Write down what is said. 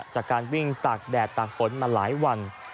จากการวิ่งตากแดดตากฝนมาหลายวัน